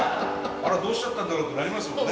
あらどうしちゃったんだろうってなりますよね。